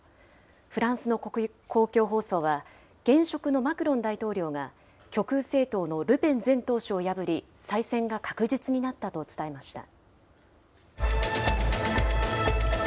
フランスの公共放送は、現職のマクロン大統領が、極右政党のルペン前党首を破り、再選が確実になったと伝えました。